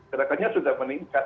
gerakannya sudah meningkat